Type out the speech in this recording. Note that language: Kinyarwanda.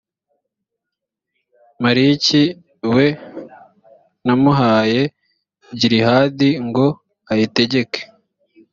makiri, we namuhaye gilihadi ngo ayitegeke.